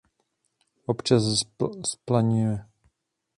Občas zplaňuje.